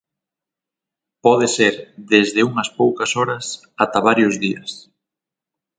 Pode ser desde unhas poucas horas ata varios días.